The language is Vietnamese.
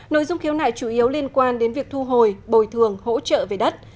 nội dung khiếu nại chủ yếu liên quan đến việc thu hồi bồi thường hỗ trợ về đất